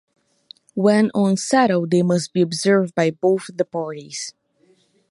When once settled they must be observed by both the parties.